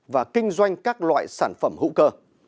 và kinh doanh các loại sản phẩm hữu cơ